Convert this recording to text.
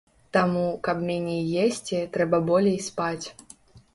Таму, каб меней есці, трэба болей спаць.